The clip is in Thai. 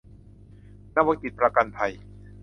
นวกิจประกันภัย